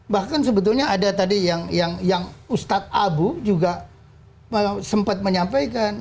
bahkan sebetulnya ada tadi yang ustadz abu juga sempat menyampaikan